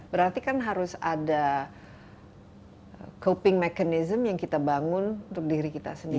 berarti kan harus ada coping mechanism yang kita bangun untuk diri kita sendiri